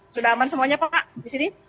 sudah aman semuanya pak disini